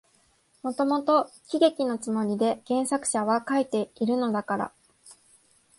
もともと喜劇のつもりで原作者は書いているのだから、